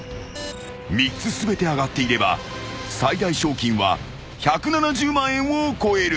［３つ全て上がっていれば最大賞金は１７０万円を超える］